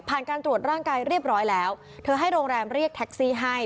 การตรวจร่างกายเรียบร้อยแล้วเธอให้โรงแรมเรียกแท็กซี่ให้